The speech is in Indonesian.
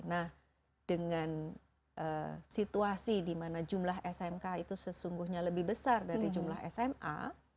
nah dengan situasi di mana jumlah smk itu sesungguhnya lebih besar dari jumlah sma